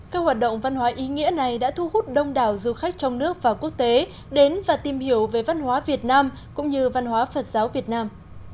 các hoạt động văn hóa ý nghĩa này đã thu hút đông đảo du khách trong nước và quốc tế đến và tìm hiểu về văn hóa việt nam cũng như văn hóa phật giáo việt nam